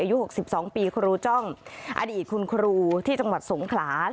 อายุ๖๒ปีครูจ้องอดีตคุณครูที่จังหวัดสงขลา